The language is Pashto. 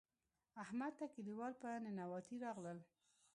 احمد ته کلیوال په ننواتې راغلل.